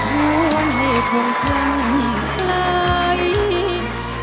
ชวนให้ความคิดมีใคร